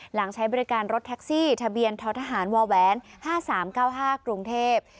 ใช้บริการรถแท็กซี่ทะเบียนท้อทหารว๕๓๙๕กรุงเทพฯ